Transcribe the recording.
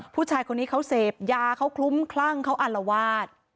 ผู้ชายคนนี้เขาเสพยาเขาคลุ้มคลั่งเขาอารวาส